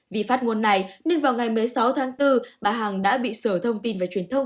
vì phát ngôn này nên vào ngày một mươi sáu tháng bốn bà hằng đã bị sở thông tin và truyền thông